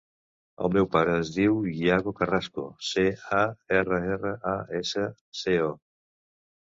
El meu pare es diu Iago Carrasco: ce, a, erra, erra, a, essa, ce, o.